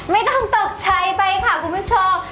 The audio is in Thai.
ไม่ต้องตกใจไปค่ะคุณผู้ชม